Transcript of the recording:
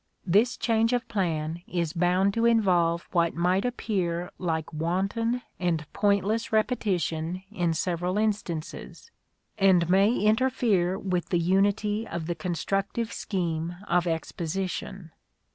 This change of plan is bound to involve what might appear like wanton and pointless repetition in several instances, and may interfere with the unity of the constructive scheme of exposition.